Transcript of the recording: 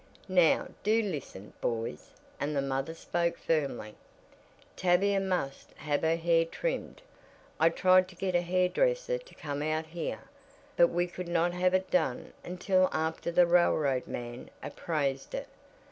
"Now do listen, boys," and the mother spoke firmly. "Tavia must have her hair trimmed. I tried to get a hair dresser to come out here, but we could not have it done until after the railroad man appraised it.